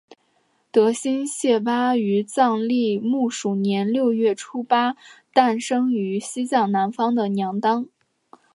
德新谢巴于藏历木鼠年六月初八诞生在西藏南方的娘当。